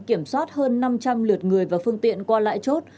kiểm soát hơn năm trăm linh lượt người và phương tiện qua lại chốt